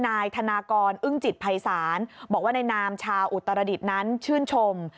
นายธนากรอึ้งจิตภัยศาลบอกว่าในนามชาวอุตรดิษฐ์นั้นชื่นชม